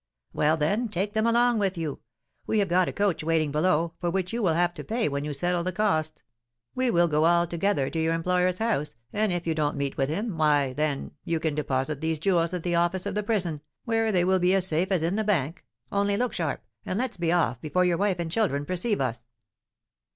"Well, then, take them along with you. We have got a coach waiting below, for which you will have to pay when you settle the costs. We will go all together to your employer's house, and, if you don't meet with him, why, then, you can deposit these jewels at the office of the prison, where they will be as safe as in the bank; only look sharp, and let's be off before your wife and children perceive us."